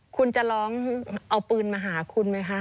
คุณจะร้องเอาปืนมาหาคุณไหมคะ